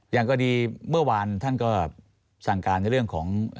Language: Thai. อย่างก็ดีเมื่อวานท่านก็สั่งการในเรื่องของ